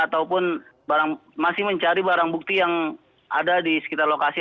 ataupun masih mencari barang bukti yang ada di sekitar lokasi